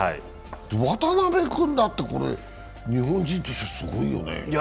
渡邊君だって、日本人としてすごいよね。